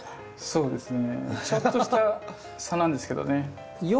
そうですね。